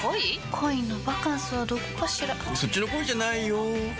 恋のバカンスはどこかしらそっちの恋じゃないよ